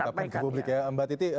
tidak diungkapkan ke publik ya mbak titi